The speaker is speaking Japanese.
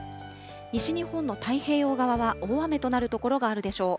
西日本の太平洋側は大雨となる所があるでしょう。